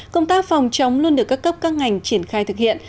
công tác phòng chống luôn được các cấp các ngành triển khai thực hiện